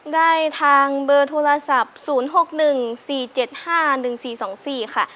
ได้ทางเบอร์โทรศัพท์๐๖๑๔๗๕๑๔๒๔ค่ะ